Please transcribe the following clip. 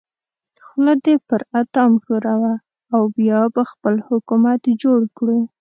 خوله دې پر اتام ښوروه او بیا به خپل حکومت جوړ کړو.